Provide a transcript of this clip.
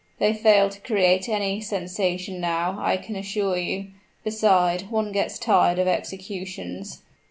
"They fail to create any sensation now, I can assure you. Beside, one gets tired of executions."